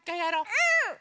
うん！